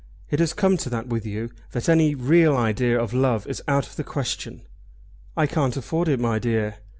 It has come to that with you that any real idea of love is out of the question." "I can't afford it, my dear."